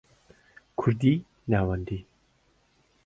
کوردیی ناوەندی